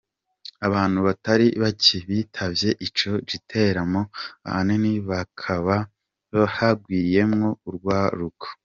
Abantu batari bake bitavye ico giteramo, ahanini hakaba hagwiriyemwo urwaruka.